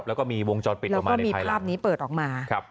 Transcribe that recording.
แล้วก็มีวงจรปิดออกมามีภาพนี้เปิดออกมา